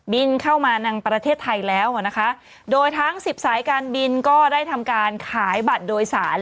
เข้ามาในประเทศไทยแล้วนะคะโดยทั้งสิบสายการบินก็ได้ทำการขายบัตรโดยสาร